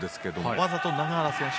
わざと永原選手